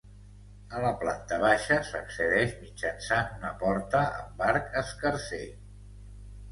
A la planta baixa s'accedeix mitjançant una porta amb arc escarser.